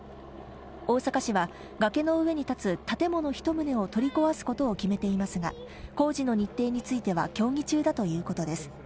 大阪市は、崖の上に建つ建物１棟を取り壊すことを決めていますが、工事の日程については協議中だということです。